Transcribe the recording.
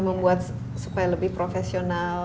membuat supaya lebih profesional